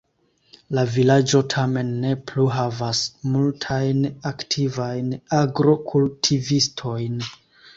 La vilaĝo tamen ne plu havas multajn aktivajn agrokultivistojn.